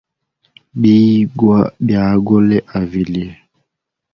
Biyigwa bya agole a vilye.